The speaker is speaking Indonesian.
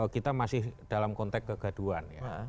kita masih dalam konteks kegaduan ya